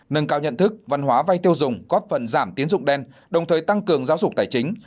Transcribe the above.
nâng cao nhận thức văn hóa vay tiêu dùng góp phần giảm tiến dụng đen đồng thời tăng cường giáo dục tài chính